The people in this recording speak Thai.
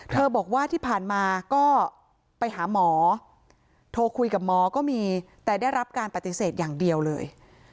บอกว่าที่ผ่านมาก็ไปหาหมอโทรคุยกับหมอก็มีแต่ได้รับการปฏิเสธอย่างเดียวเลย